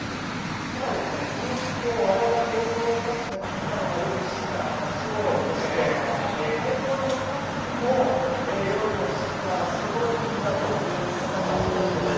ただ、この変更、われわれ、放送スタッフが聞いたのが夜７時から８時ごろでして、会場のスタッフも夜の７時から８時ごろに聞いたという方がほとんどです。